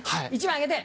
１枚あげて。